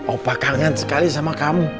opa kangen sekali sama kamu